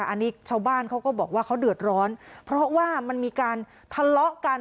อันนี้ชาวบ้านเขาก็บอกว่าเขาเดือดร้อนเพราะว่ามันมีการทะเลาะกัน